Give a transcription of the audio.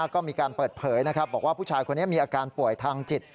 ก็มีการเปิดเผยบอกว่าผู้ชายคนนี้มีอาการป่วยทางจิต